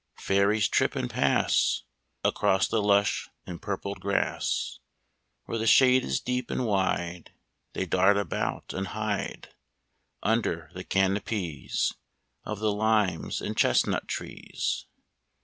Fairies trip and pass Across the lush empurpled grass. Where the shade is deep and wide They dart about and hide Under the canopies Of the limes and chestnut trees.